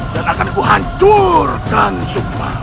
dan akan kuhancurkan sukma